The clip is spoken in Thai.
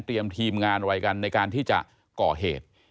เตรียมทีมงานไว้กันในการที่จะก่อเหตุ